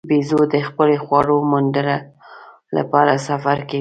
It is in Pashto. بیزو د خپلې خواړو موندلو لپاره سفر کوي.